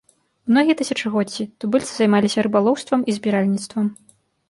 Многія тысячагоддзі тубыльцы займаліся рыбалоўствам і збіральніцтвам.